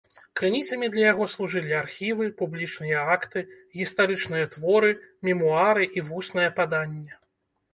Крыніцамі для яго служылі архівы, публічныя акты, гістарычныя творы, мемуары і вуснае паданне.